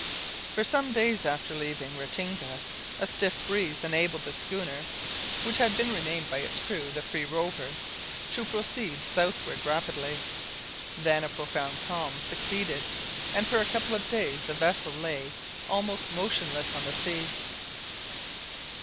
For some days after leaving Ratinga a stiff breeze enabled the schooner which had been re named by its crew the "Free Rover" to proceed southward rapidly. Then a profound calm succeeded, and for a couple of days the vessel lay almost motionless on the sea.